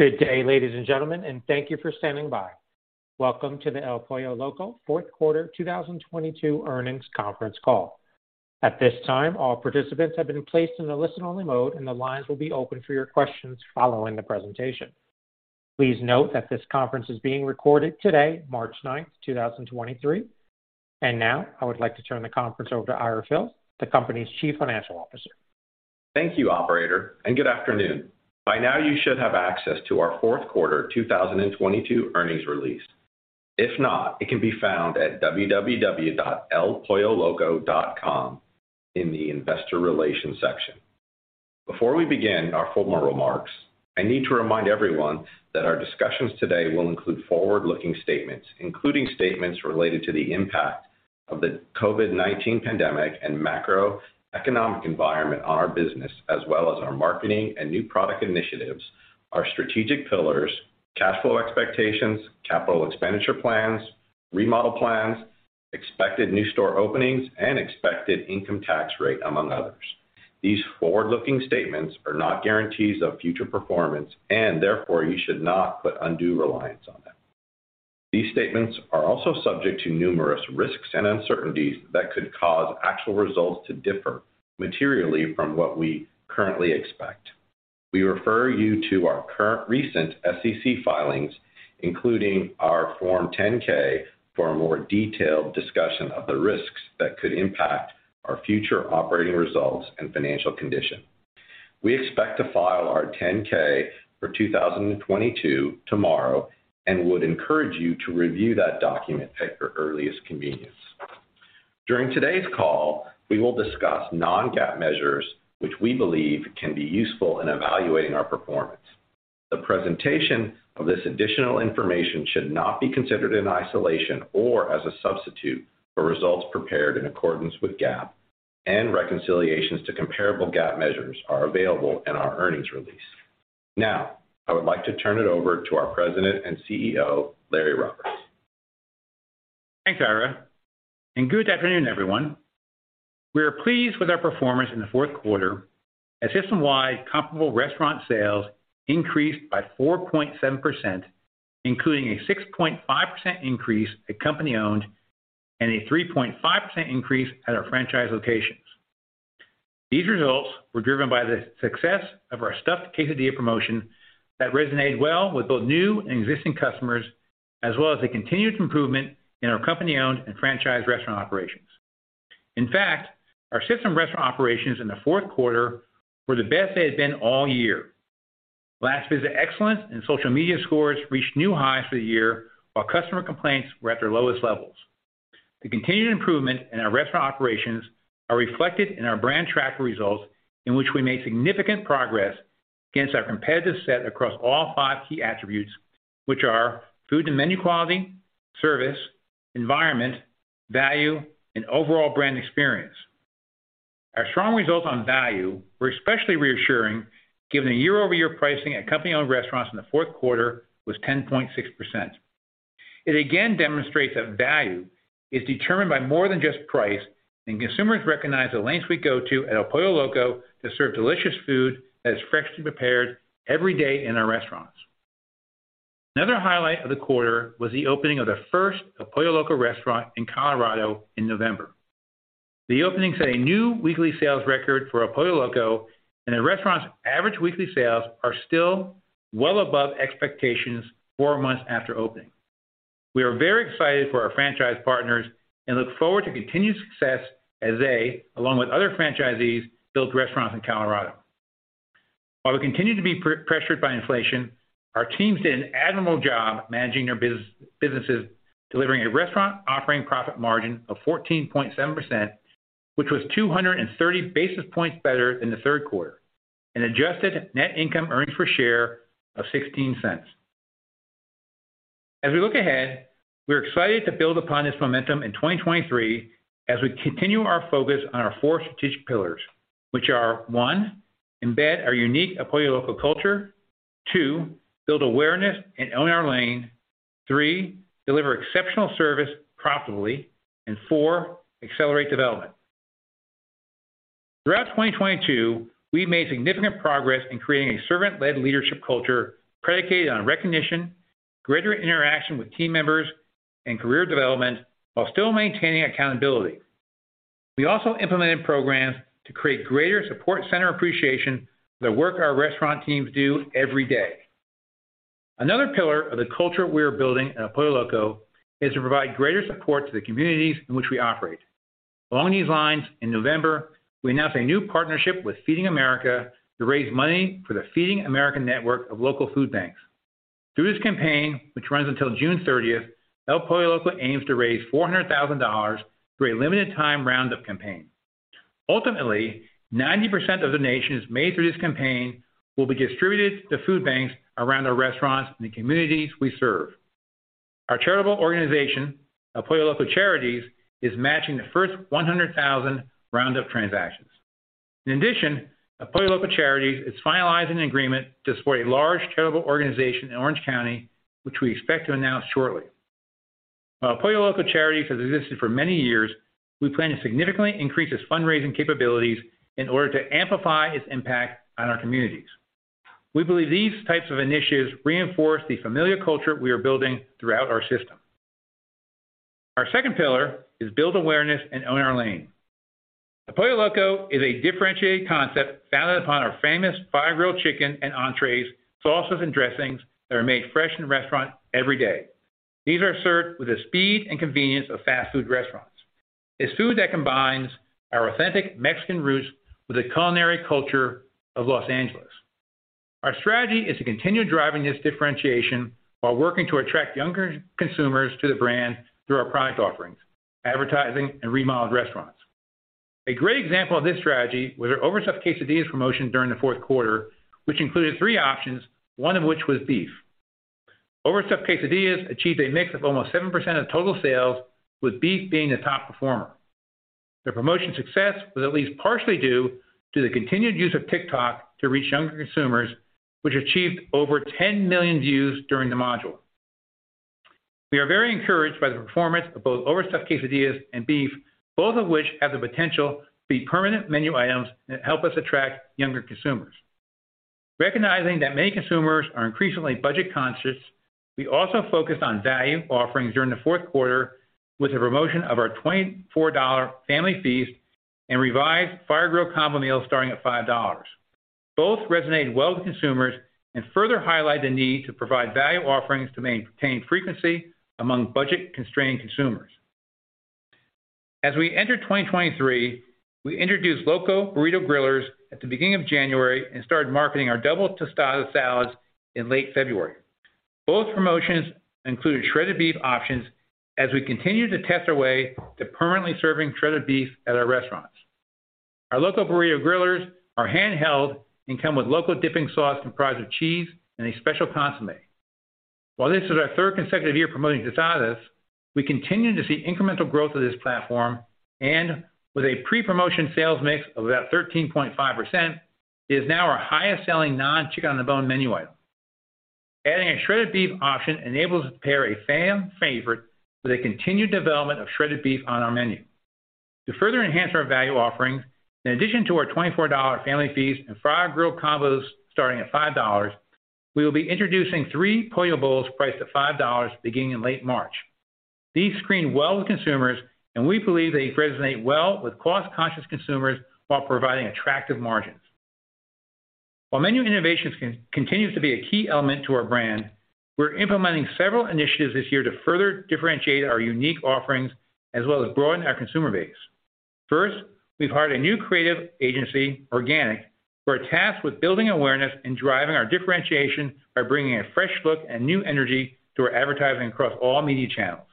Good day, ladies and gentlemen, and thank you for standing by. Welcome to the El Pollo Loco Q4 2022 earnings conference call. At this time, all participants have been placed in a listen-only mode, and the lines will be open for your questions following the presentation. Please note that this conference is being recorded today, March 9, 2023. Now I would like to turn the conference over to Ira Fils, the company's Chief Financial Officer. Thank you, operator, and good afternoon. By now you should have access to our Q4 2022 earnings release. If not, it can be found at www.elpolloloco.com in the investor relations section. Before we begin our formal remarks, I need to remind everyone that our discussions today will include forward-looking statements, including statements related to the impact of the COVID-19 pandemic and macroeconomic environment on our business as well as our marketing and new product initiatives, our strategic pillars, cash flow expectations, capital expenditure plans, remodel plans, expected new store openings, and expected income tax rate, among others. These forward-looking statements are not guarantees of future performance and therefore you should not put undue reliance on them. These statements are also subject to numerous risks and uncertainties that could cause actual results to differ materially from what we currently expect. We refer you to our current recent SEC filings, including our Form 10-K, for a more detailed discussion of the risks that could impact our future operating results and financial condition. We expect to file our 10-K for 2022 tomorrow and would encourage you to review that document at your earliest convenience. During today's call, we will discuss non-GAAP measures, which we believe can be useful in evaluating our performance. The presentation of this additional information should not be considered in isolation or as a substitute for results prepared in accordance with GAAP and reconciliations to comparable GAAP measures are available in our earnings release. Now, I would like to turn it over to our President and CEO, Larry Roberts. Thanks, Ira, and good afternoon, everyone. We are pleased with our performance in the Q4 as system-wide comparable restaurant sales increased by 4.7%, including a 6.5% increase at company-owned and a 3.5% increase at our franchise locations. These results were driven by the success of our stuffed quesadilla promotion that resonated well with both new and existing customers, as well as the continued improvement in our company-owned and franchised restaurant operations. In fact, our system restaurant operations in the Q4 were the best they had been all year. Last visit excellence and social media scores reached new highs for the year while customer complaints were at their lowest levels. The continued improvement in our restaurant operations are reflected in our brand tracker results in which we made significant progress against our competitive set across all five key attributes, which are food and menu quality, service, environment, value, and overall brand experience. Our strong results on value were especially reassuring given the year-over-year pricing at company-owned restaurants in the Q4 was 10.6%. It again demonstrates that value is determined by more than just price, and consumers recognize the lengths we go to at El Pollo Loco to serve delicious food that is freshly prepared every day in our restaurants. Another highlight of the quarter was the opening of the first El Pollo Loco restaurant in Colorado in November. The opening set a new weekly sales record for El Pollo Loco, and the restaurant's average weekly sales are still well above expectations four months after opening. We are very excited for our franchise partners and look forward to continued success as they, along with other franchisees, build restaurants in Colorado. While we continue to be pre-pressured by inflation, our teams did an admirable job managing their businesses, delivering a restaurant operating profit margin of 14.7%, which was 230 basis points better than the Q3, and adjusted net income earnings per share of $0.16. As we look ahead, we are excited to build upon this momentum in 2023 as we continue our focus on our four strategic pillars, which are, 1, embed our unique El Pollo Loco culture. 2, build awareness and own our lane. 3, deliver exceptional service profitably. 4, accelerate development. Throughout 2022, we made significant progress in creating a servant-led leadership culture predicated on recognition, greater interaction with team members, and career development while still maintaining accountability. We also implemented programs to create greater support center appreciation for the work our restaurant teams do every day. Another pillar of the culture we are building at El Pollo Loco is to provide greater support to the communities in which we operate. Along these lines, in November, we announced a new partnership with Feeding America to raise money for the Feeding America network of local food banks. Through this campaign, which runs until June 30th, El Pollo Loco aims to raise $400,000 through a limited time roundup campaign. Ultimately, 90% of the donations made through this campaign will be distributed to food banks around our restaurants in the communities we serve. Our charitable organization, El Pollo Loco Charities, is matching the first 100,000 roundup transactions. In addition, El Pollo Loco Charities is finalizing an agreement to support a large charitable organization in Orange County, which we expect to announce shortly. While Pollo Loco Charities has existed for many years, we plan to significantly increase its fundraising capabilities in order to amplify its impact on our communities. We believe these types of initiatives reinforce the familiar culture we are building throughout our system. Our second pillar is build awareness and own our lane. Pollo Loco is a differentiated concept founded upon our famous fire-grilled chicken and entrees, sauces and dressings that are made fresh in restaurant every day. These are served with the speed and convenience of fast food restaurants. It's food that combines our authentic Mexican roots with a culinary culture of Los Angeles. Our strategy is to continue driving this differentiation while working to attract younger consumers to the brand through our product offerings, advertising and remodeled restaurants. A great example of this strategy was our Overstuffed Quesadillas promotion during the Q4, which included three options, one of which was beef. Overstuffed Quesadillas achieved a mix of almost 7% of total sales, with beef being the top performer. The promotion success was at least partially due to the continued use of TikTok to reach younger consumers, which achieved over 10 million views during the module. We are very encouraged by the performance of both Overstuffed Quesadillas and beef, both of which have the potential to be permanent menu items that help us attract younger consumers. Recognizing that many consumers are increasingly budget conscious, we also focused on value offerings during the Q4 with a promotion of our $24 Family Feast and revised Fire-Grilled Combo starting at $5. Both resonated well with consumers and further highlight the need to provide value offerings to maintain frequency among budget-constrained consumers. As we enter 2023, we introduced Loco Burrito Grillers at the beginning of January and started marketing our Double Tostada Salads in late February. Both promotions included shredded beef options as we continue to test our way to permanently serving shredded beef at our restaurants. Our Loco Burrito Grillers are handheld and come with Loco Dipping Sauce comprised of cheese and a special consommé. While this is our 3rd consecutive year promoting tostadas, we continue to see incremental growth of this platform, and with a pre-promotion sales mix of about 13.5%, it is now our highest selling non chicken on the bone menu item. Adding a shredded beef option enables us to pair a fan favorite with a continued development of shredded beef on our menu. To further enhance our value offerings, in addition to our $24 Family Feast and Fire-Grilled Combos starting at $5, we will be introducing 3 Pollo Bowls priced at $5 beginning in late March. These screen well with consumers, and we believe they resonate well with cost-conscious consumers while providing attractive margins. While menu innovation continues to be a key element to our brand, we're implementing several initiatives this year to further differentiate our unique offerings as well as broaden our consumer base. First, we've hired a new creative agency, Organic, who are tasked with building awareness and driving our differentiation by bringing a fresh look and new energy to our advertising across all media channels.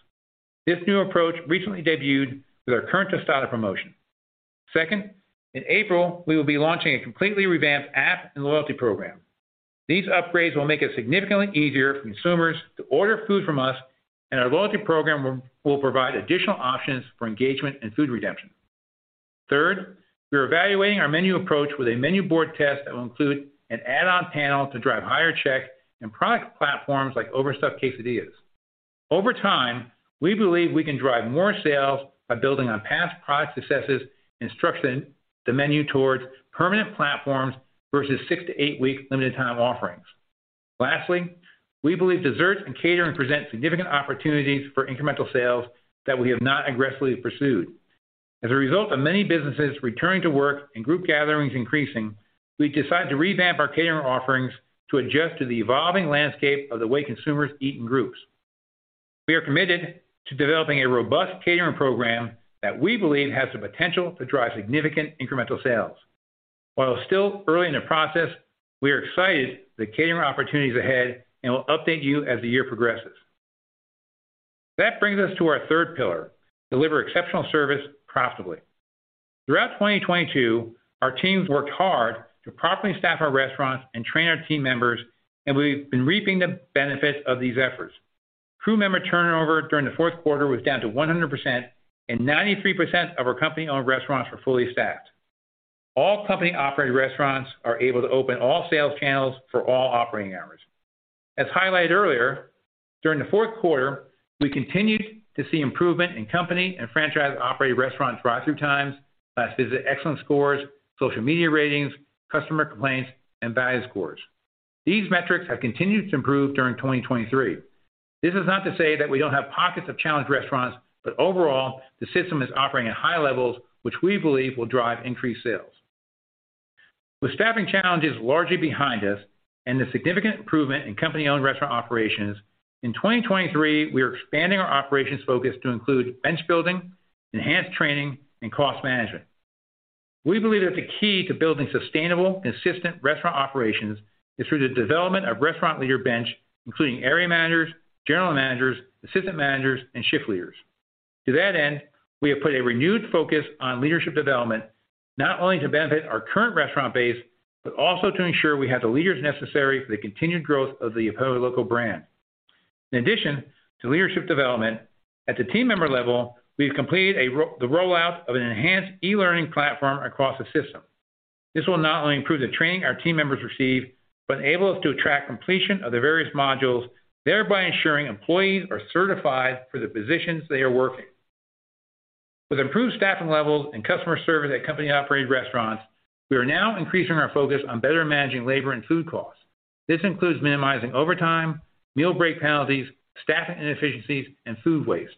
This new approach recently debuted with our current tostada promotion. Second, in April, we will be launching a completely revamped app and loyalty program. These upgrades will make it significantly easier for consumers to order food from us, and our loyalty program will provide additional options for engagement and food redemption. Third, we are evaluating our menu approach with a menu board test that will include an add-on panel to drive higher check and product platforms like Overstuffed Quesadillas. Over time, we believe we can drive more sales by building on past product successes and structuring the menu towards permanent platforms versus 6-8 week limited-time offerings. We believe desserts and catering present significant opportunities for incremental sales that we have not aggressively pursued. As a result of many businesses returning to work and group gatherings increasing, we've decided to revamp our catering offerings to adjust to the evolving landscape of the way consumers eat in groups. We are committed to developing a robust catering program that we believe has the potential to drive significant incremental sales. While still early in the process, we are excited for the catering opportunities ahead and will update you as the year progresses. That brings us to our third pillar: deliver exceptional service profitably. Throughout 2022, our teams worked hard to properly staff our restaurants and train our team members. We've been reaping the benefits of these efforts. Crew member turnover during the Q4 was down to 100% and 93% of our company-owned restaurants were fully staffed. All company-operated restaurants are able to open all sales channels for all operating hours. As highlighted earlier, during the Q4, we continued to see improvement in company and franchise-operated restaurants' drive-through times, last visit excellence scores, social media ratings, customer complaints, and value scores. These metrics have continued to improve during 2023. This is not to say that we don't have pockets of challenged restaurants, but overall, the system is operating at high levels, which we believe will drive increased sales. With staffing challenges largely behind us and the significant improvement in company-owned restaurant operations, in 2023, we are expanding our operations focus to include bench building, enhanced training, and cost management. We believe that the key to building sustainable, consistent restaurant operations is through the development of restaurant leader bench, including area managers, general managers, assistant managers, and shift leaders. To that end, we have put a renewed focus on leadership development, not only to benefit our current restaurant base, but also to ensure we have the leaders necessary for the continued growth of the El Pollo Loco brand. In addition to leadership development, at the team member level, we've completed the rollout of an enhanced e-learning platform across the system. This will not only improve the training our team members receive, but enable us to attract completion of the various modules, thereby ensuring employees are certified for the positions they are working. With improved staffing levels and customer service at company-operated restaurants, we are now increasing our focus on better managing labor and food costs. This includes minimizing overtime, meal break penalties, staffing inefficiencies, and food waste.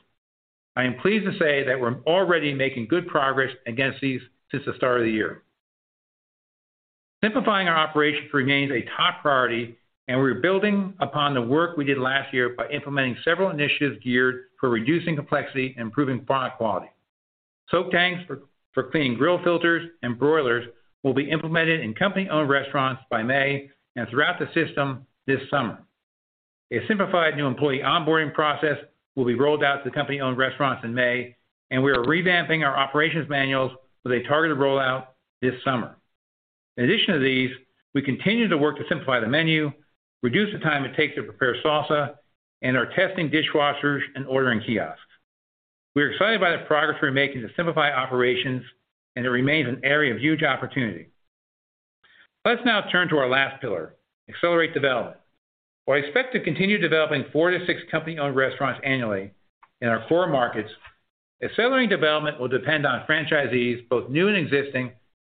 I am pleased to say that we're already making good progress against these since the start of the year. Simplifying our operations remains a top priority, and we're building upon the work we did last year by implementing several initiatives geared for reducing complexity and improving product quality. Soak tanks for cleaning grill filters and broilers will be implemented in company-owned restaurants by May and throughout the system this summer. A simplified new employee onboarding process will be rolled out to company-owned restaurants in May, and we are revamping our operations manuals with a targeted rollout this summer. In addition to these, we continue to work to simplify the menu, reduce the time it takes to prepare salsa, and are testing dishwashers and ordering kiosks. We are excited by the progress we're making to simplify operations, and it remains an area of huge opportunity. Let's now turn to our last pillar, accelerate development. While I expect to continue developing four to six company-owned restaurants annually in our core markets, accelerating development will depend on franchisees, both new and existing,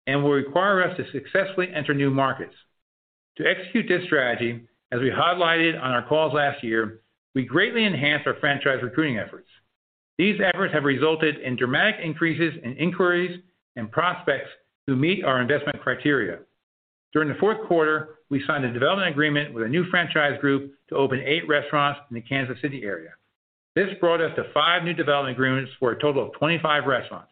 and will require us to successfully enter new markets. To execute this strategy, as we highlighted on our calls last year, we greatly enhanced our franchise recruiting efforts. These efforts have resulted in dramatic increases in inquiries and prospects who meet our investment criteria. During the Q4, we signed a development agreement with a new franchise group to open 8 restaurants in the Kansas City area. This brought us to 5 new development agreements for a total of 25 restaurants.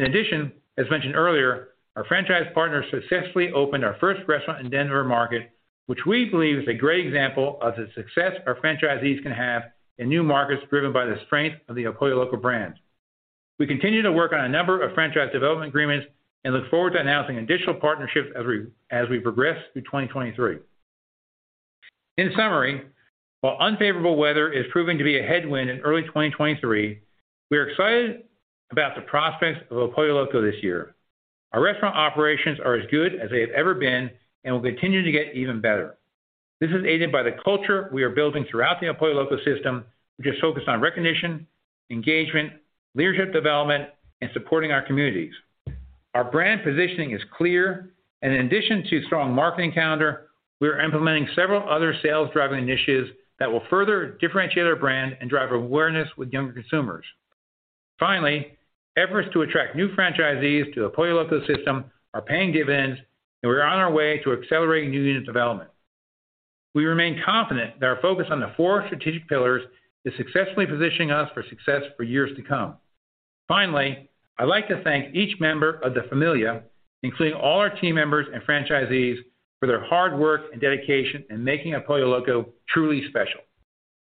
In addition, as mentioned earlier, our franchise partner successfully opened our first restaurant in Denver market, which we believe is a great example of the success our franchisees can have in new markets driven by the strength of the El Pollo Loco brand. We continue to work on a number of franchise development agreements and look forward to announcing additional partnerships as we progress through 2023. In summary, while unfavorable weather is proving to be a headwind in early 2023, we are excited about the prospects of El Pollo Loco this year. Our restaurant operations are as good as they have ever been and will continue to get even better. This is aided by the culture we are building throughout the El Pollo Loco system, which is focused on recognition, engagement, leadership development, and supporting our communities. Our brand positioning is clear. In addition to strong marketing calendar, we are implementing several other sales-driving initiatives that will further differentiate our brand and drive awareness with younger consumers. Finally, efforts to attract new franchisees to El Pollo Loco system are paying dividends. We are on our way to accelerating new unit development. We remain confident that our focus on the four strategic pillars is successfully positioning us for success for years to come. I'd like to thank each member of the familia, including all our team members and franchisees, for their hard work and dedication in making El Pollo Loco truly special.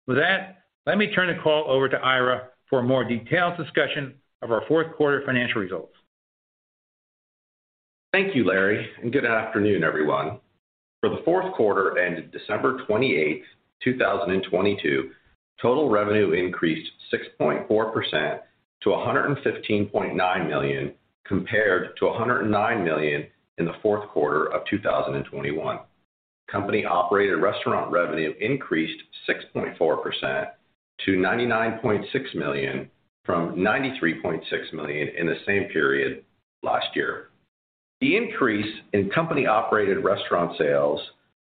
With that, let me turn the call over to Ira for a more detailed discussion of our Q4 financial results. Thank you, Larry, and good afternoon, everyone. For the Q4 ended December 28, 2022, total revenue increased 6.4% to $115.9 million, compared to $109 million in the Q4 of 2021. Company-operated restaurant revenue increased 6.4% to $99.6 million from $93.6 million in the same period last year. The increase in company-operated restaurant sales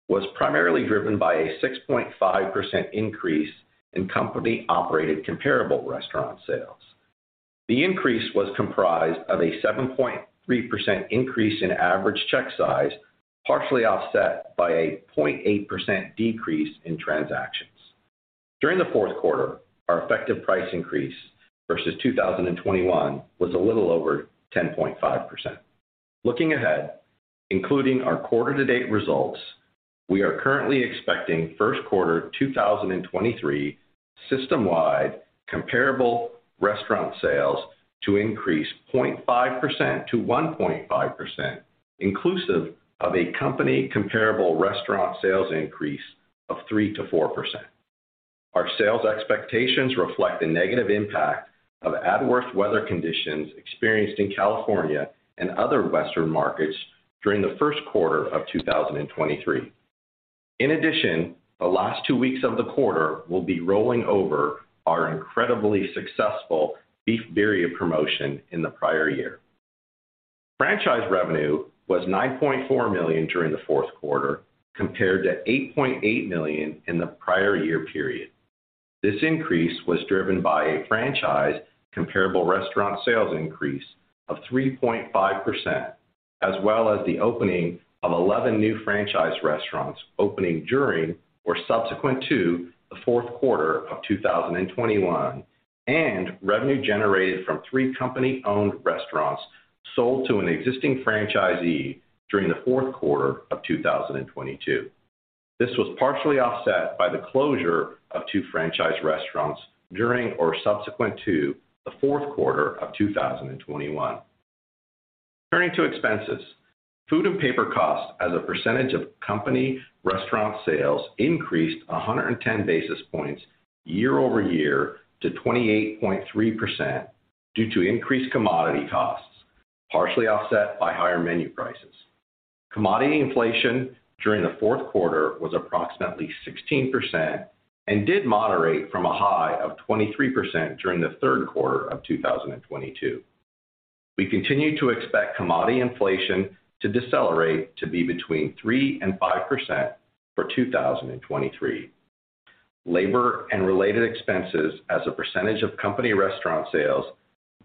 was primarily driven by a 6.5% increase in company-operated comparable restaurant sales. The increase was comprised of a 7.3% increase in average check size, partially offset by a 0.8% decrease in transactions. During the Q4, our effective price increase versus 2021 was a little over 10.5%. Looking ahead, including our quarter to date results, we are currently expecting Q1 2023 system-wide comparable restaurant sales to increase 0.5%-1.5%, inclusive of a company comparable restaurant sales increase of 3%-4%. Our sales expectations reflect the negative impact of adverse weather conditions experienced in California and other Western markets during the Q1 of 2023. In addition, the last two weeks of the quarter will be rolling over our incredibly successful Beef Birria promotion in the prior year. Franchise revenue was $9.4 million during the Q4, compared to $8.8 million in the prior year period. This increase was driven by a franchise comparable restaurant sales increase of 3.5%, as well as the opening of 11 new franchise restaurants opening during or subsequent to the Q4 of 2021, and revenue generated from 3 company-owned restaurants sold to an existing franchisee during the Q4 of 2022. This was partially offset by the closure of 2 franchise restaurants during or subsequent to the Q4 of 2021. Turning to expenses. Food and paper costs as a percentage of company restaurant sales increased 110 basis points year-over-year to 28.3% due to increased commodity costs, partially offset by higher menu prices. Commodity inflation during the Q4 was approximately 16% and did moderate from a high of 23% during the Q3 of 2022. We continue to expect commodity inflation to decelerate to be between 3%-5% for 2023. Labor and related expenses as a percentage of company restaurant sales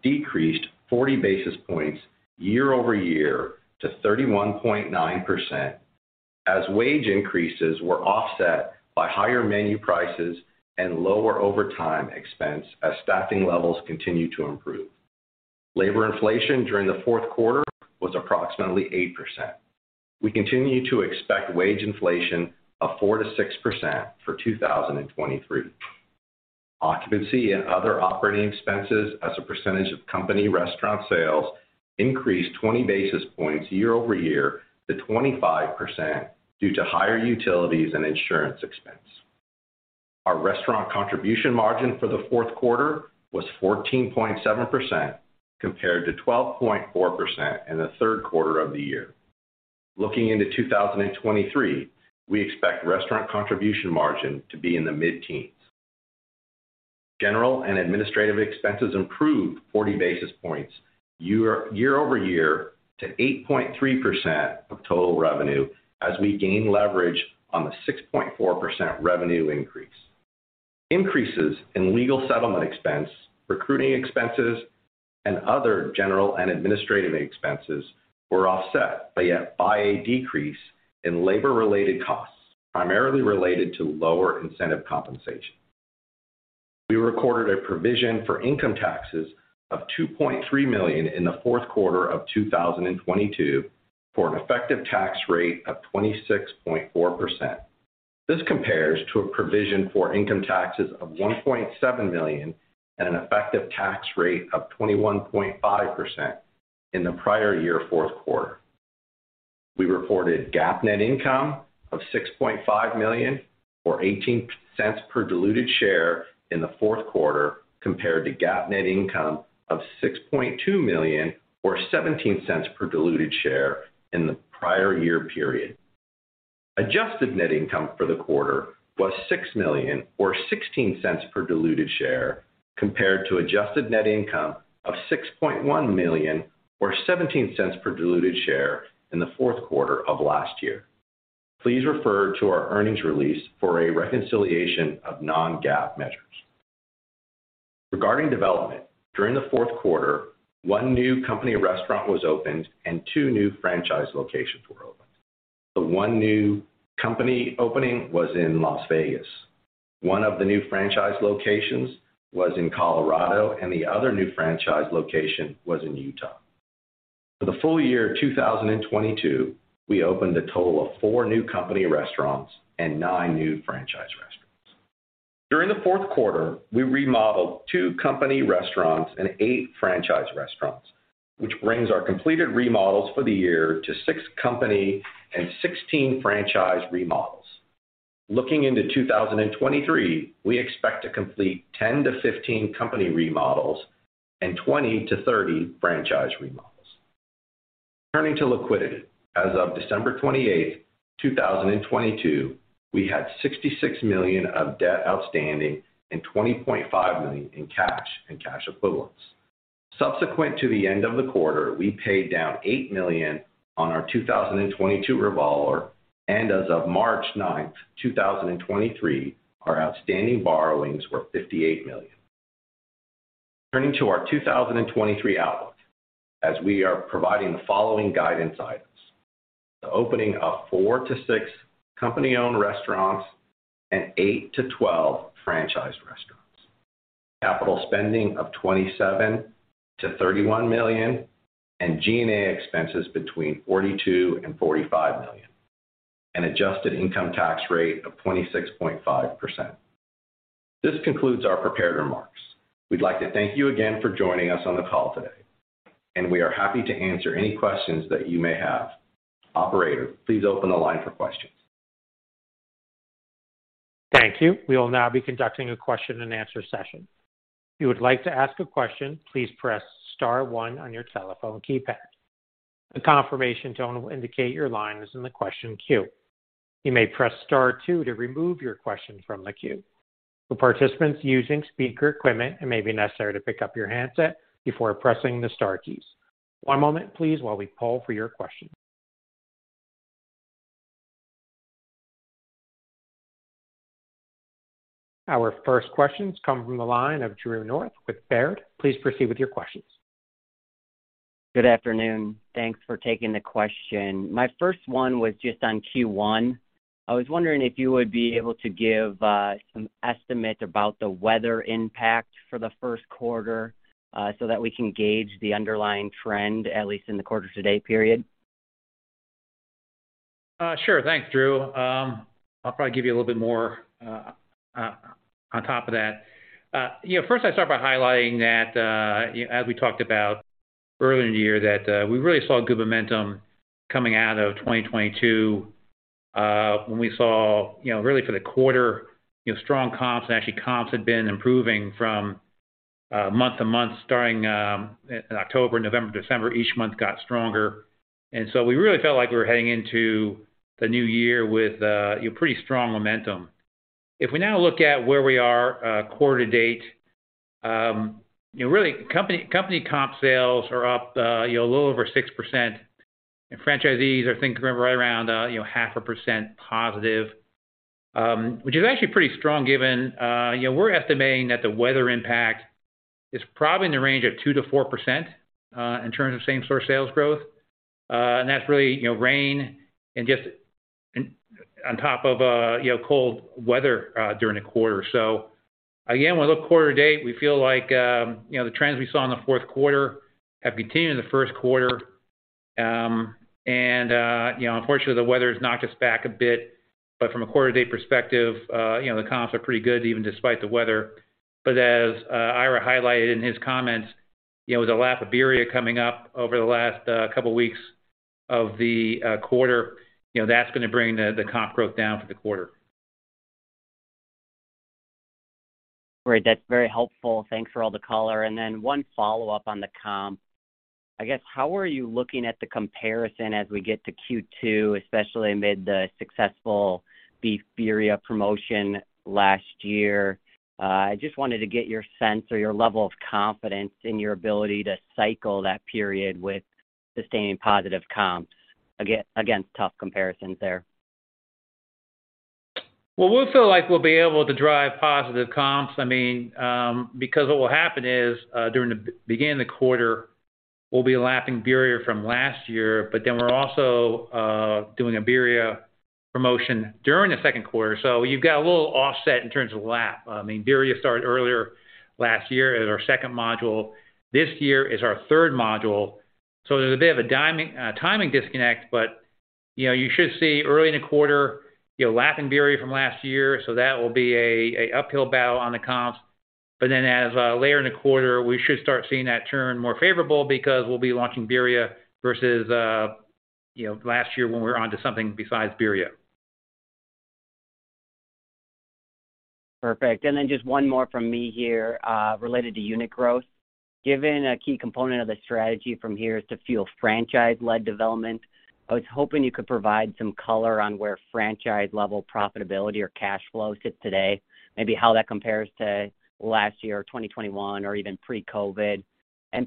decreased 40 basis points year-over-year to 31.9% as wage increases were offset by higher menu prices and lower overtime expense as staffing levels continue to improve. Labor inflation during the Q4 was approximately 8%. We continue to expect wage inflation of 4%-6% for 2023. Occupancy and other operating expenses as a percentage of company restaurant sales increased 20 basis points year-over-year to 25% due to higher utilities and insurance expense. Our restaurant contribution margin for the Q4 was 14.7% compared to 12.4% in the Q3 of the year. Looking into 2023, we expect restaurant contribution margin to be in the mid-teens. General and administrative expenses improved 40 basis points year-over-year to 8.3% of total revenue as we gain leverage on the 6.4% revenue increase. Increases in legal settlement expense, recruiting expenses, and other general and administrative expenses were offset by a decrease in labor related costs, primarily related to lower incentive compensation. We recorded a provision for income taxes of $2.3 million in the Q4 of 2022 for an effective tax rate of 26.4%. This compares to a provision for income taxes of $1.7 million and an effective tax rate of 21.5% in the prior year Q4. We reported GAAP net income of $6.5 million or $0.18 per diluted share in the Q4 compared to GAAP net income of $6.2 million or $0.17 per diluted share in the prior year period. Adjusted net income for the quarter was $6 million or $0.16 per diluted share compared to adjusted net income of $6.1 million or $0.17 per diluted share in the Q4 of last year. Please refer to our earnings release for a reconciliation of non-GAAP measures. Regarding development, during the Q4, one new company restaurant was opened and two new franchise locations were opened. The one new company opening was in Las Vegas. One of the new franchise locations was in Colorado, and the other new franchise location was in Utah. For the full year of 2022, we opened a total of 4 new company restaurants and 9 new franchise restaurants. During the Q4, we remodeled 2 company restaurants and 8 franchise restaurants, which brings our completed remodels for the year to 6 company and 16 franchise remodels. Looking into 2023, we expect to complete 10-15 company remodels and 20-30 franchise remodels. Turning to liquidity, as of December 28, 2022, we had $66 million of debt outstanding and $20.5 million in cash and cash equivalents. Subsequent to the end of the quarter, we paid down $8 million on our 2022 Revolver, and as of March 9, 2023, our outstanding borrowings were $58 million. Turning to our 2023 outlook, we are providing the following guidance items. The opening of 4-6 company-owned restaurants and 8-12 franchise restaurants. Capital spending of $27 million-$31 million and G&A expenses between $42 million and $45 million. An adjusted income tax rate of 26.5%. This concludes our prepared remarks. We'd like to thank you again for joining us on the call today, and we are happy to answer any questions that you may have. Operator, please open the line for questions. Thank you. We will now be conducting a question and answer session. If you would like to ask a question, please press star one on your telephone keypad. A confirmation tone will indicate your line is in the question queue. You may press star two to remove your question from the queue. For participants using speaker equipment, it may be necessary to pick up your handset before pressing the star keys. One moment please while we poll for your questions. Our first question comes from the line of Drew North with Baird. Please proceed with your questions. Good afternoon. Thanks for taking the question. My first one was just on Q1. I was wondering if you would be able to give some estimate about the weather impact for the Q1, so that we can gauge the underlying trend, at least in the quarter to date period. Sure. Thanks, Drew. I'll probably give you a little bit more on top of that. First, I'll start by highlighting that as we talked about earlier in the year, that we really saw good momentum coming out of 2022, when we saw, ow, really for the quarter, strong comps and actually comps had been improving from Month-to-month starting in October, November, December, each month got stronger. We really felt like we were heading into the new year with pretty strong momentum. If we now look at where we are quarter-to-date, really company comp sales are up, a little over 6%. Franchisees are thinking right around, half a percent positive. Which is actually pretty strong given we're estimating that the weather impact is probably in the range of 2%-4% in terms of same-store sales growth. That's really, rain and on top of, cold weather during the quarter. Again, when look quarter to date, we feel like, the trends we saw in the Q4 have continued in the Q1. Unfortunately, the weather has knocked us back a bit, but from a quarter date perspective, the comps are pretty good even despite the weather. As Ira highlighted in his comments, with the lap of Birria coming up over the last couple of weeks of the quarter, that's going to bring the comp growth down for the quarter. Great. That's very helpful. Thanks for all the color. One follow-up on the comp. I guess, how are you looking at the comparison as we get to Q2, especially amid the successful Beef Birria promotion last year? I just wanted to get your sense or your level of confidence in your ability to cycle that period with sustaining positive comps against tough comparisons there. We feel like we'll be able to drive positive comps. I mean, because what will happen is during the beginning of the quarter, we'll be lapping Birria from last year, but then we're also doing a Birria promotion during the Q2. You've got a little offset in terms of lap. I mean, Birria started earlier last year as our second module. This year is our third module. There's a bit of a timing disconnect, but, you should see early in the quarter, lapping Birria from last year. That will be a uphill battle on the comps. As later in the quarter, we should start seeing that turn more favorable because we'll be launching Birria versus, last year when we were on to something besides Birria. Perfect. Just one more from me here, related to unit growth. Given a key component of the strategy from here is to fuel franchise-led development, I was hoping you could provide some color on where franchise-level profitability or cash flow sits today, maybe how that compares to last year, or 2021, or even pre-COVID.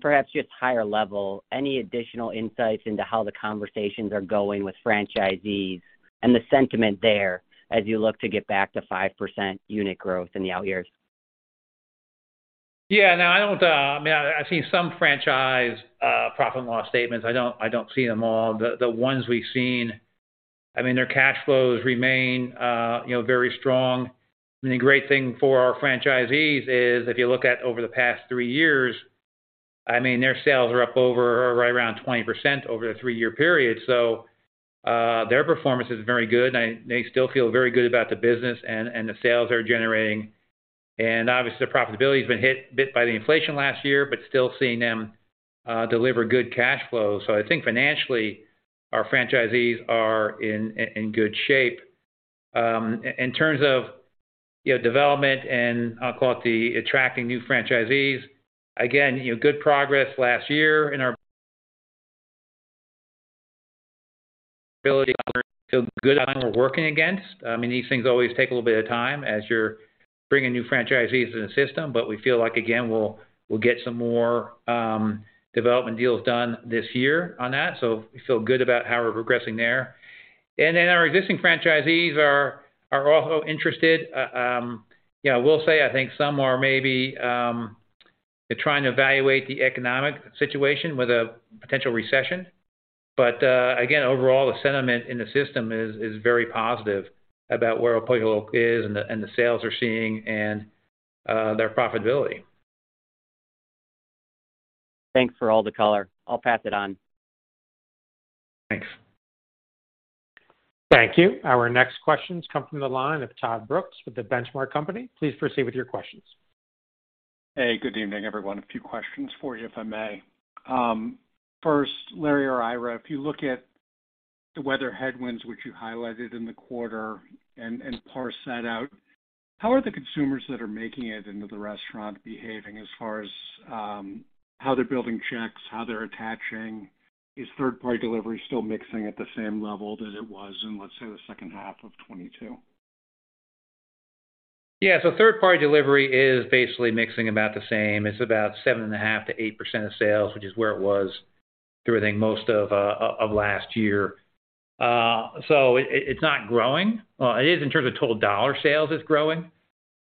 Perhaps just higher level, any additional insights into how the conversations are going with franchisees and the sentiment there as you look to get back to 5% unit growth in the out years. Yeah. No, I don't, I mean, I've seen some franchise, profit and loss statements. I don't see them all. The ones we've seen, I mean, their cash flows remain, very strong. I mean, the great thing for our franchisees is if you look at over the past 3 years, I mean, their sales are up over right around 20% over the three-year period. Their performance is very good and they still feel very good about the business and the sales they're generating. Obviously, the profitability has been hit bit by the inflation last year, but still seeing them, deliver good cash flow. I think financially, our franchisees are in good shape. In terms of, development and I'll call it the attracting new franchisees, again, good progress last year in our ability to feel good on we're working against. I mean, these things always take a little bit of time as you're bringing new franchisees in the system, but we feel like, again, we'll get some more development deals done this year on that. We feel good about how we're progressing there. Our existing franchisees are also interested. You know, we'll say I think some are maybe trying to evaluate the economic situation with a potential recession. Again, overall, the sentiment in the system is very positive about where Pollo is and the sales they're seeing and their profitability. Thanks for all the color. I'll pass it on. Thanks. Thank you. Our next questions come from the line of Todd Brooks with The Benchmark Company. Please proceed with your questions. Hey, good evening, everyone. A few questions for you, if I may. First, Larry or Ira, if you look at the weather headwinds which you highlighted in the quarter and parse that out, how are the consumers that are making it into the restaurant behaving as far as how they're building checks, how they're attaching? Is third-party delivery still mixing at the same level that it was in, let's say, the second half of 2022? Third-party delivery is basically mixing about the same. It's about 7.5% to 8% of sales, which is where it was through, I think, most of last year. It's not growing. Well, it is in terms of total dollar sales, it's growing.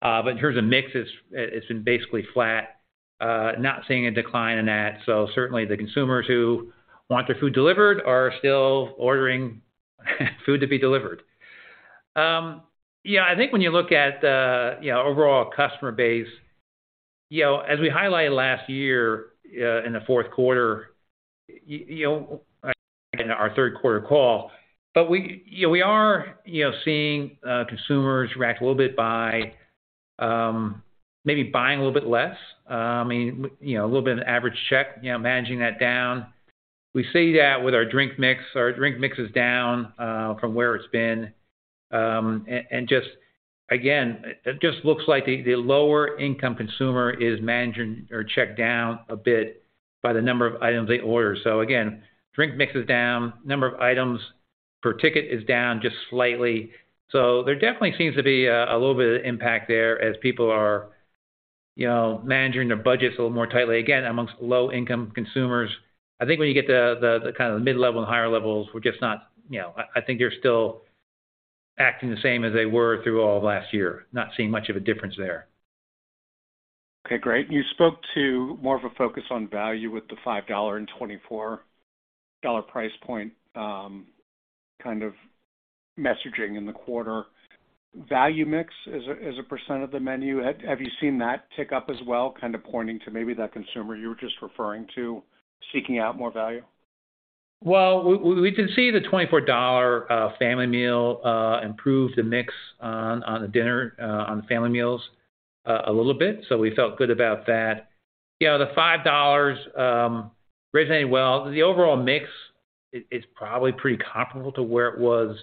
But in terms of mix, it's been basically flat. Not seeing a decline in that. Certainly, the consumers who want their food delivered are still ordering food to be delivered. Yeah, I think when you look at, overall customer base, as we highlighted last year, in the Q4, in our Q3 call, we are, seeing consumers react a little bit by maybe buying a little bit less, a little bit of average check, managing that down. We see that with our drink mix. Our drink mix is down from where it's been. Just again, it just looks like the lower income consumer is managing or checked down a bit by the number of items they order. Again, drink mix is down, number of items per ticket is down just slightly. There definitely seems to be a little bit of impact there as people are, managing their budgets a little more tightly, again, amongst low income consumers. I think when you get to the kind of mid-level and higher levels, we're just not, I think they're still acting the same as they were through all of last year. Not seeing much of a difference there. Okay, great. You spoke to more of a focus on value with the $5 and $24 price point, kind of messaging in the quarter. Value mix as a percent of the menu, have you seen that tick up as well, kind of pointing to maybe that consumer you were just referring to seeking out more value? Well, we can see the $24 family meal improve the mix on the dinner on the family meals a little bit, so we felt good about that. You know, the $5 resonating well. The overall mix is probably pretty comparable to where it was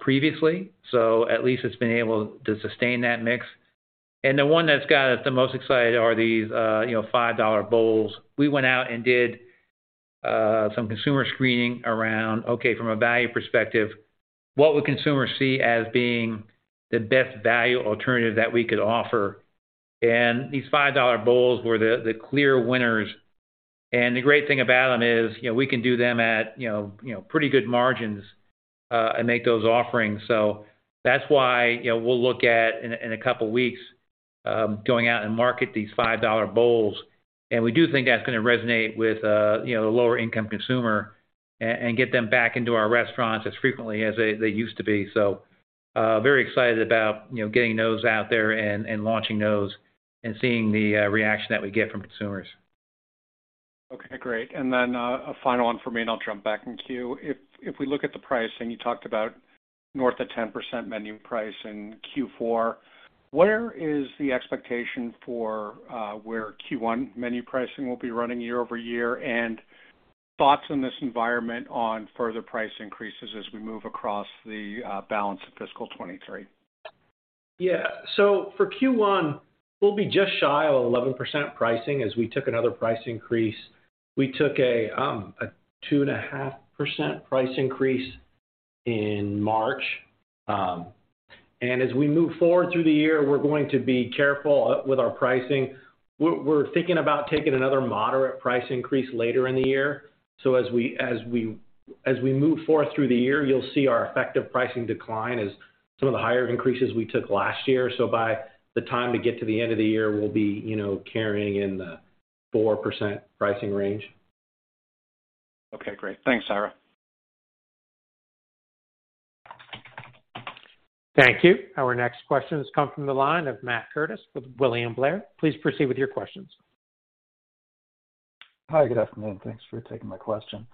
previously, so at least it's been able to sustain that mix. The one that's got us the most excited are these, $5 bowls. We went out and did some consumer screening around, okay, from a value perspective, what would consumers see as being the best value alternative that we could offer? These $5 bowls were the clear winners. The great thing about them is, we can do them at, pretty good margins and make those offerings. That's why, we'll look at in a couple of weeks, going out and market these $5 bowls. We do think that's gonna resonate with, the lower income consumer and get them back into our restaurants as frequently as they used to be. Very excited about, getting those out there and launching those and seeing the reaction that we get from consumers. Okay, great. A final one for me, and I'll jump back in queue. If we look at the pricing, you talked about north of 10% menu price in Q4. Where is the expectation for where Q1 menu pricing will be running year-over-year, and thoughts in this environment on further price increases as we move across the balance of fiscal 2023? For Q1, we'll be just shy of 11% pricing as we took another price increase. We took a 2.5% price increase in March. As we move forward through the year, we're going to be careful with our pricing. We're thinking about taking another moderate price increase later in the year. As we move forward through the year, you'll see our effective pricing decline as some of the higher increases we took last year. By the time we get to the end of the year, we'll be, carrying in the 4% pricing range. Okay, great. Thanks, Ira. Thank you. Our next question has come from the line of Matt Curtis with William Blair. Please proceed with your questions. Hi, good afternoon. Thanks for taking my question.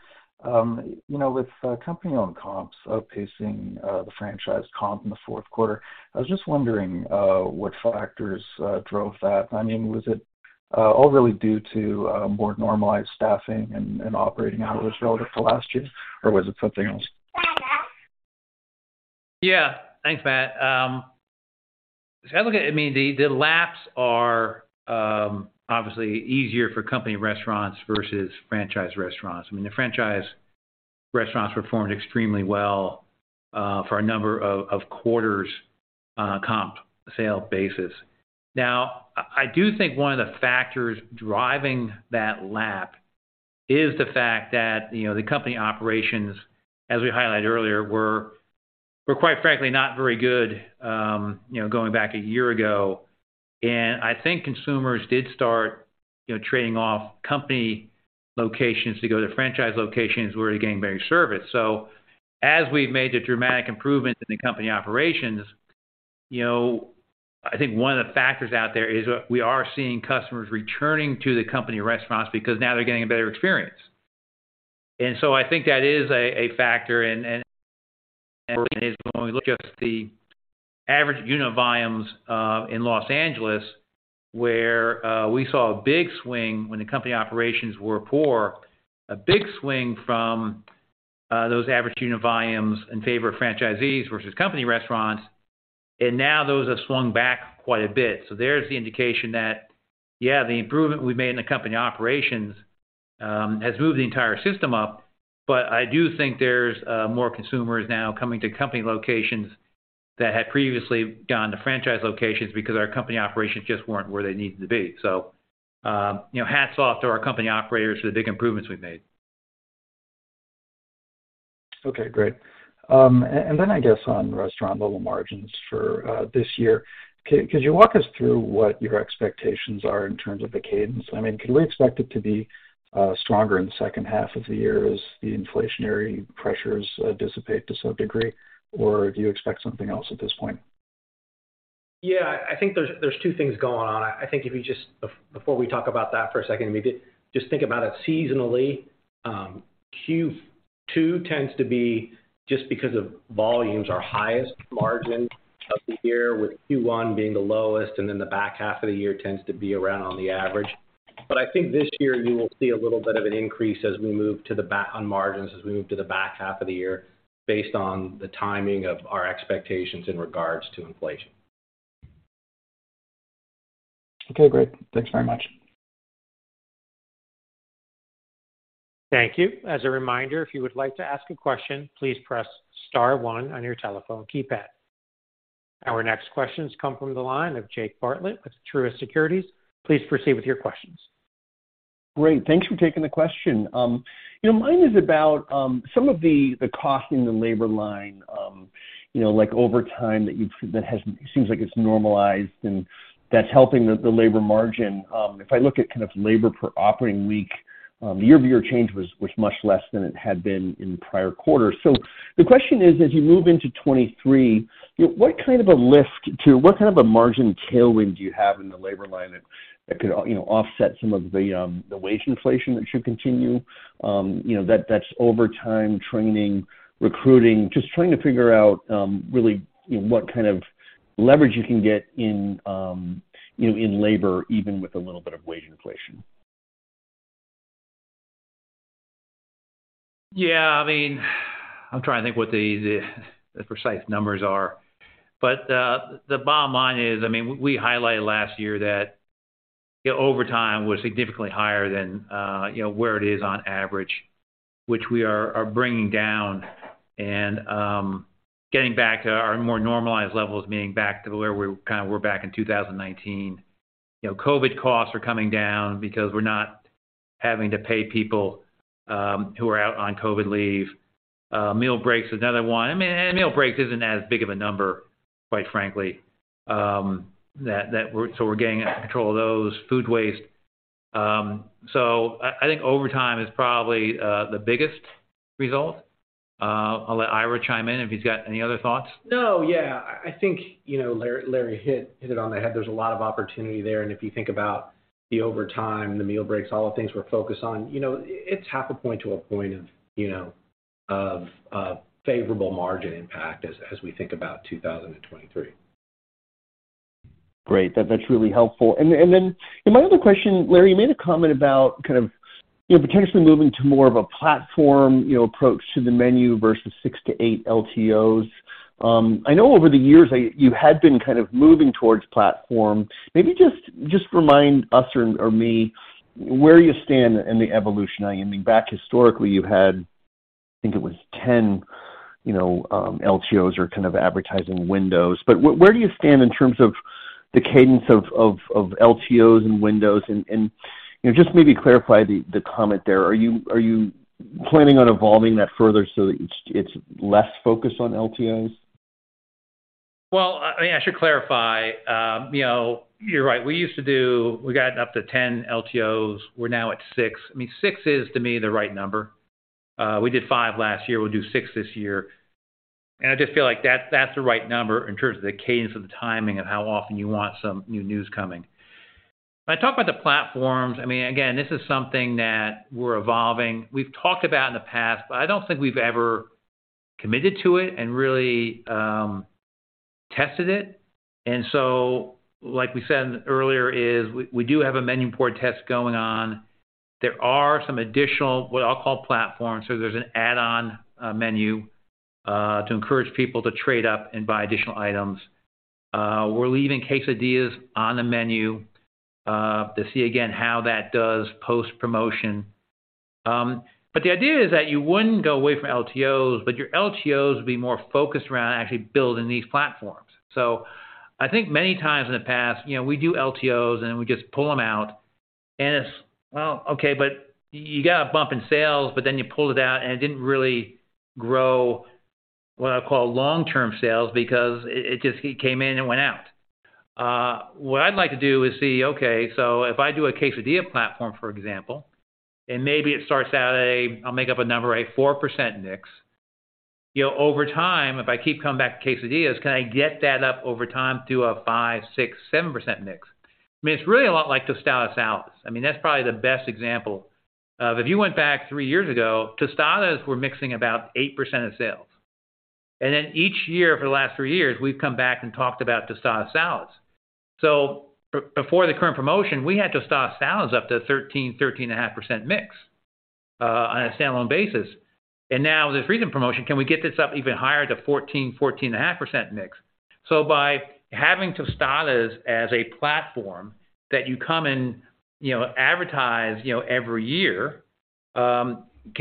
You know, with company-owned comps outpacing the franchise comp in the Q4, I was just wondering what factors drove that. I mean, was it all really due to more normalized staffing and operating hours relative to last year? Or was it something else? Yeah. Thanks, Matt. I mean, the laps are obviously easier for company restaurants versus franchise restaurants. I mean, the franchise restaurants performed extremely well for a number of quarters on a comp sale basis. Now, I do think one of the factors driving that lap is the fact that, the company operations, as we highlighted earlier, were quite frankly not very good, going back a year ago. I think consumers did start, trading off company locations to go to franchise locations where they're getting better service. As we've made the dramatic improvements in the company operations, I think one of the factors out there is we are seeing customers returning to the company restaurants because now they're getting a better experience. I think that is a factor. When we look at the average unit volumes in Los Angeles, where we saw a big swing when the company operations were poor, a big swing from those average unit volumes in favor of franchisees versus company restaurants, and now those have swung back quite a bit. There's the indication that, yeah, the improvement we've made in the company operations has moved the entire system up. I do think there's more consumers now coming to company locations that had previously gone to franchise locations because our company operations just weren't where they needed to be. Hats off to our company operators for the big improvements we've made. Okay, great. I guess on restaurant-level margins for this year, could you walk us through what your expectations are in terms of the cadence? I mean, can we expect it to be stronger in the second half of the year as the inflationary pressures dissipate to some degree, or do you expect something else at this point? Yeah. I think there's two things going on. I think if you just before we talk about that for a second, if you just think about it seasonally, Q2 tends to be just because of volumes, our highest margin of the year, with Q1 being the lowest, and then the back half of the year tends to be around on the average. I think this year you will see a little bit of an increase as we move to the on margins as we move to the back half of the year based on the timing of our expectations in regards to inflation. Okay, great. Thanks very much. Thank you. As a reminder, if you would like to ask a question, please press star one on your telephone keypad. Our next questions come from the line of Jake Bartlett with Truist Securities. Please proceed with your questions. Great. Thanks for taking the question. You know, mine is about some of the costing and labor line, like overtime that seems like it's normalized and that's helping the labor margin. If I look at kind of labor per operating week, year-over-year change was much less than it had been in prior quarters. The question is, as you move into 2023, what kind of a margin tailwind do you have in the labor line that could, offset some of the wage inflation that should continue? You know, that's overtime, training, recruiting. Just trying to figure out really what kind of leverage you can get in labor, even with a little bit of wage inflation. Yeah, I mean, I'm trying to think what the precise numbers are. The bottom line is, I mean, we highlighted last year that overtime was significantly higher than, where it is on average, which we are bringing down and getting back to our more normalized levels, meaning back to where we kind of were back in 2019. You know, COVID costs are coming down because we're not having to pay people who are out on COVID leave. Meal breaks is another one. I mean, meal breaks isn't as big of a number, quite frankly, so we're getting control of those food waste. I think overtime is probably the biggest result. I'll let Ira chime in if he's got any other thoughts. No. Yeah, I think, Larry hit it on the head. There's a lot of opportunity there. If you think about the overtime, the meal breaks, all the things we're focused on, it's half a point to a point of, favorable margin impact as we think about 2023. Great. That's really helpful. Then in my other question, Larry, you made a comment about kind of, potentially moving to more of a platform, approach to the menu versus six to eight LTOs. I know over the years you had been kind of moving towards platform. Maybe just remind us or me where you stand in the evolution. I mean, back historically, you had, I think it was 10, LTOs or kind of advertising windows. Where do you stand in terms of the cadence of LTOs and windows? Just maybe clarify the comment there. Are you planning on evolving that further so that it's less focused on LTOs? Well, I should clarify. You know, you're right. We got up to 10 LTOs. We're now at 6. I mean, 6 is, to me, the right number. We did 5 last year. We'll do 6 this year. I just feel like that's the right number in terms of the cadence of the timing of how often you want some new news coming. If I talk about the platforms, I mean, again, this is something that we're evolving. We've talked about in the past, but I don't think we've ever committed to it and really tested it. Like we said earlier, is we do have a menu port test going on. There are some additional, what I'll call platforms. There's an add-on menu to encourage people to trade up and buy additional items. We're leaving quesadillas on the menu to see again how that does post-promotion. The idea is that you wouldn't go away from LTOs, but your LTOs would be more focused around actually building these platforms. I think many times in the past, we do LTOs, and then we just pull them out, and it's well, okay, but you got a bump in sales, but then you pulled it out, and it didn't really grow what I call long-term sales because it just came in and went out. What I'd like to do is see, okay, if I do a quesadilla platform, for example, and maybe it starts out a, I'll make up a number, a 4% mix. You know, over time, if I keep coming back to quesadillas, can I get that up over time to a 5%-7% mix? I mean, it's really a lot like tostada salads. I mean, that's probably the best example of if you went back three years ago, tostadas were mixing about 8% of sales. Each year for the last three years, we've come back and talked about tostada salads. Before the current promotion, we had tostada salads up to 13%-13.5% mix on a standalone basis. Now with this recent promotion, can we get this up even higher to 14%-14.5% mix? By having tostadas as a platform that you come and, advertise, every year, can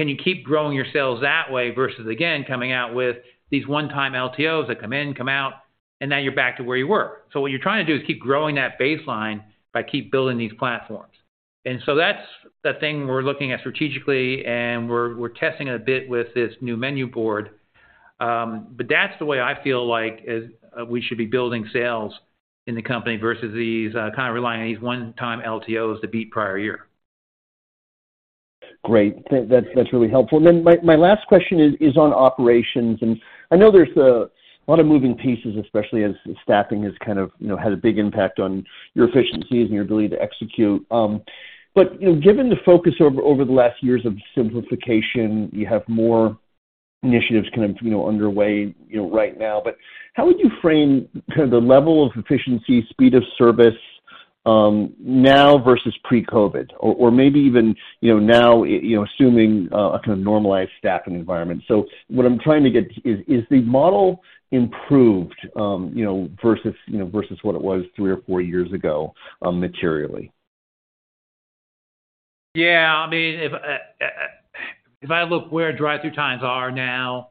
you keep growing your sales that way versus, again, coming out with these one-time LTOs that come in, come out, and now you're back to where you were. What you're trying to do is keep growing that baseline by keep building these platforms. That's the thing we're looking at strategically, and we're testing a bit with this new menu board. That's the way I feel like we should be building sales in the company versus these, kind of relying on these one-time LTOs to beat prior year. Great. That's really helpful. Then my last question is on operations. I know there's a lot of moving pieces, especially as staffing has kind of, had a big impact on your efficiencies and your ability to execute. You know, given the focus over the last years of simplification, you have more initiatives kind of, underway, right now. How would you frame kind of the level of efficiency, speed of service, now versus pre-COVID? Or maybe even, now assuming a kind of normalized staffing environment. What I'm trying to get to is the model improved, versus what it was three or four years ago, materially? Yeah. I mean, if I look where drive-through times are now,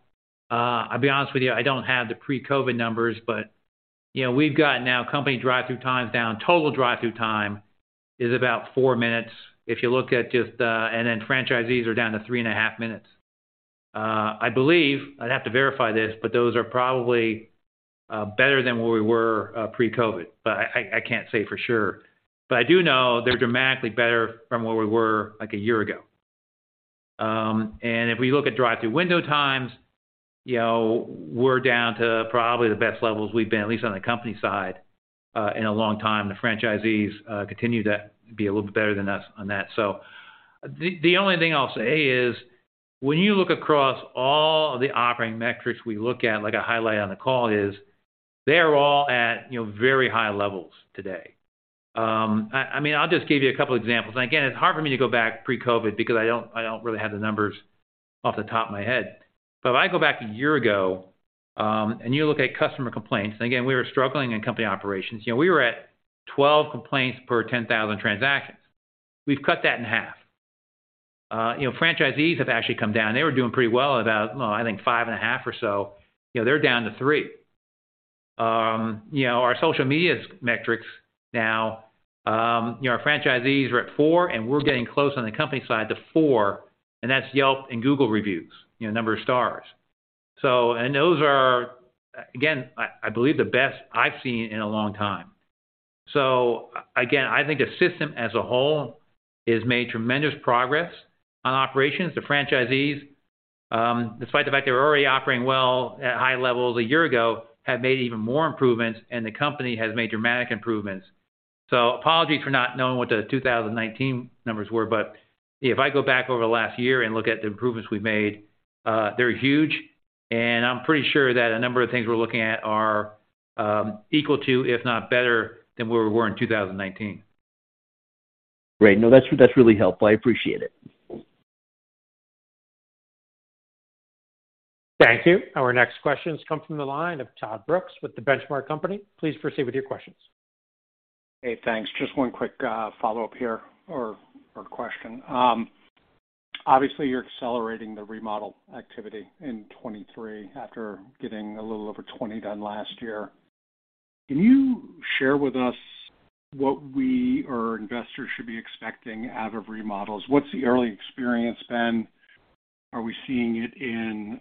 I'll be honest with you, I don't have the pre-COVID numbers. You know, we've got now company drive-through times down. Total drive-through time is about 4 minutes. If you look at just, franchisees are down to 3.5 minutes. I believe, I'd have to verify this, those are probably better than where we were pre-COVID. I can't say for sure. I do know they're dramatically better from where we were, like, 1 year ago. If we look at drive-through window times, we're down to probably the best levels we've been, at least on the company side, in a long time. The franchisees continue to be a little bit better than us on that. The only thing I'll say is when you look across all the operating metrics we look at, like I highlighted on the call, is they're all at, very high levels today. I mean, I'll just give you a couple examples. Again, it's hard for me to go back pre-COVID because I don't really have the numbers off the top of my head. If I go back a year ago, and you look at customer complaints, and again we were struggling in company operations, we were at 12 complaints per 10,000 transactions. We've cut that in half. You know, franchisees have actually come down. They were doing pretty well about, I think 5.5 or so. They're down to 3. You know, our social media's metrics now, our franchisees are at 4, and we're getting close on the company side to 4, and that's Yelp and Google reviews, number of stars. And those are, again, I believe the best I've seen in a long time. Again, I think the system as a whole has made tremendous progress on operations. The franchisees, despite the fact they were already operating well at high levels a year ago, have made even more improvements, and the company has made dramatic improvements. Apologies for not knowing what the 2019 numbers were, but if I go back over the last year and look at the improvements we've made, they're huge. I'm pretty sure that a number of things we're looking at are equal to, if not better than where we were in 2019. Great. No, that's really helpful. I appreciate it. Thank you. Our next question comes from the line of Todd Brooks with The Benchmark Company. Please proceed with your questions. Hey, thanks. Just one quick follow-up here or question. Obviously you're accelerating the remodel activity in 2023 after getting a little over 20 done last year. Can you share with us what we or investors should be expecting out of remodels? What's the early experience been? Are we seeing it in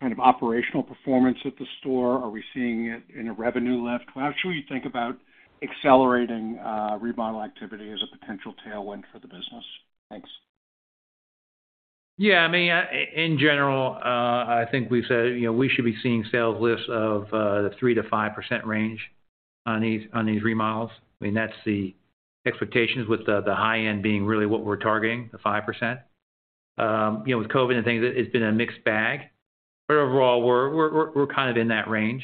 kind of operational performance at the store? Are we seeing it in a revenue lift? How should we think about accelerating remodel activity as a potential tailwind for the business? Thanks. Yeah. I mean, in general, I think we said, you know, we should be seeing sales lifts of the 3%-5% range on these remodels. I mean, that's the expectations with the high end being really what we're targeting, the 5%. You know, with COVID and things, it's been a mixed bag. Overall, we're kind of in that range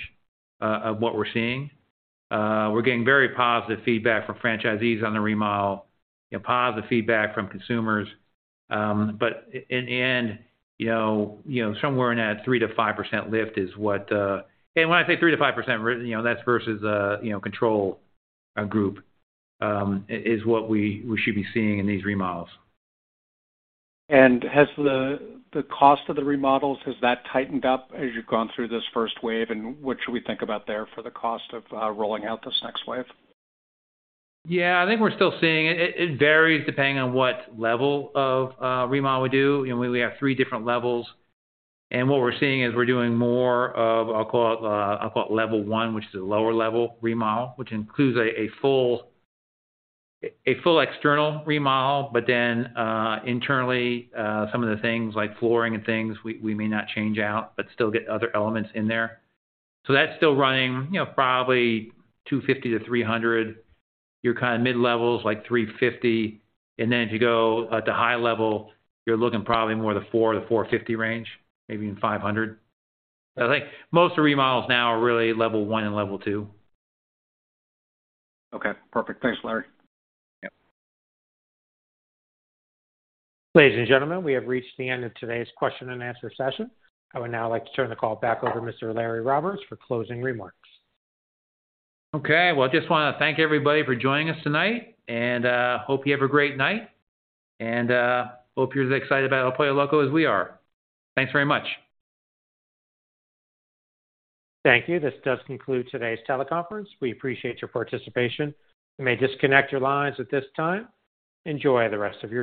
of what we're seeing. We're getting very positive feedback from franchisees on the remodel. You know, positive feedback from consumers. In the end, somewhere in that 3%-5% lift is what, and when I say 3%-5%, that's versus a, control group, is what we should be seeing in these remodels. Has the cost of the remodels, has that tightened up as you've gone through this first wave? What should we think about there for the cost of rolling out this next wave? Yeah. I think we're still seeing it. It varies depending on what level of remodel we do. You know, we have 3 different levels. What we're seeing is we're doing more of, I'll call it, I'll call it Level 1, which is a lower level remodel, which includes a full, a full external remodel. Internally, some of the things like flooring and things, we may not change out, but still get other elements in there. That's still running, probably $250-$300. Your kind of mid-levels, like $350. If you go to high level, you're looking probably more the $400-$450 range, maybe even $500. I think most of the remodels now are really Level 1 and Level 2. Okay, perfect. Thanks, Larry. Yep. Ladies and gentlemen, we have reached the end of today's question and answer session. I would now like to turn the call back over to Mr. Larry Roberts for closing remarks. Okay. Well, I just wanna thank everybody for joining us tonight. Hope you have a great night. Hope you're as excited about El Pollo Loco as we are. Thanks very much. Thank you. This does conclude today's teleconference. We appreciate your participation. You may disconnect your lines at this time. Enjoy the rest of your day.